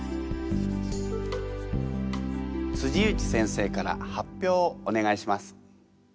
内先生から発表をお願いします。